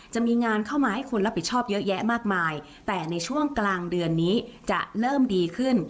จะมีงานเข้ามาให้คนรับผิดชอบเยอะแยะมากมายแต่ในช่วงกลางเดือนนี้จะเริ่มดีขึ้น